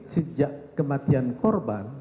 sejak kematian korban